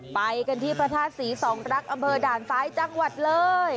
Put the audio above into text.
ไปกันที่พระธาตุศรีสองรักษ์อำเภอด่านซ้ายจังหวัดเลย